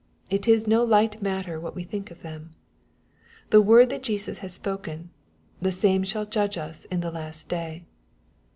It is no light matter what we think of them. The word that Jesus has spoken, ^^ the same shall judge us in the last day."